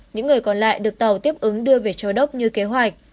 những người còn lại được tàu tiếp ứng đưa về châu đốc như kế hoạch